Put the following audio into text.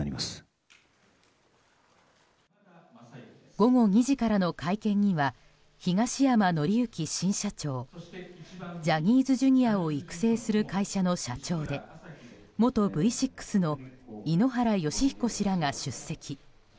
午後２時からの会見には東山紀之新社長ジャニーズＪｒ．を育成する会社の社長で元Ｖ６の井ノ原快彦氏らが出席。